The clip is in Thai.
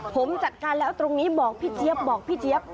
ผมจัดการแล้วตรงนี้บอกพี่เจี๊ยบบอกพี่เจี๊ยบ